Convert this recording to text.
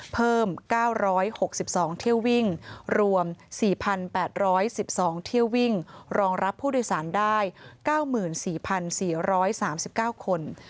เพิ่ม๙๖๒เที่ยววิ่งรวม๔๘๑๒เที่ยววิ่งรองรับผู้โดยสารได้๙๔๔๓๙คน